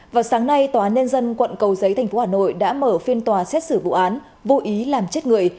vào sáng nay tòa án nhân dân quận cầu giấy tp hà nội đã mở phiên tòa xét xử vụ án vô ý làm chết người